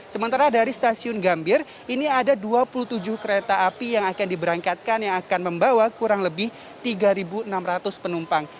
sementara dari stasiun gambir ini ada dua puluh tujuh kereta api yang akan diberangkatkan yang akan membawa kurang lebih tiga enam ratus penumpang